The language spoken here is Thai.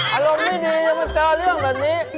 อารมณ์ไม่ดีมาเจอเรื่องแบบนี้